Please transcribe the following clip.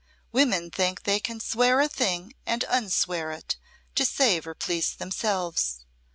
Women think they can swear a thing and unswear it, to save or please themselves.